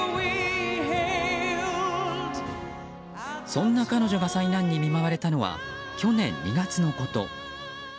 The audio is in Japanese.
そんな彼女が災難に見舞われたのは去年２月のこと。